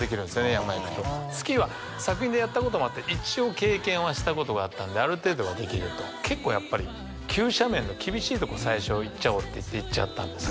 山へ行くとスキーは作品でやったこともあって一応経験はしたことがあったんである程度はできると結構やっぱり急斜面の厳しいところ最初行っちゃおうって言って行っちゃったんですよね